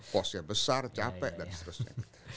postnya besar capek dan seterusnya